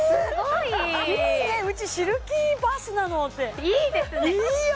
いいねうちシルキーバスなのっていいですねいいよ！